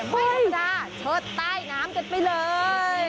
เมื่อกลับมาเชิดใต้น้ำเกิดไปเลย